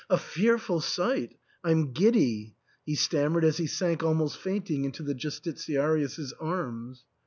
A fearful sight !— Fm giddy!" he stammered as he sank almost fainting into the Justitiarius' arms.